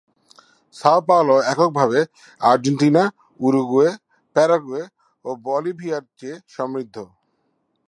Sao Paulo একক ভাবে Argentina, Uruguay, Paraguay ও বলিভিয়ার চেয়ে সমৃদ্ধ।